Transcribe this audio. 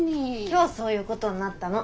今日そういうことになったの。